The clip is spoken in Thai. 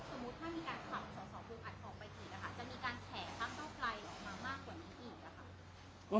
จะมีการแขกทั้งต้องไกลออกมามากกว่านี้อีกนะครับ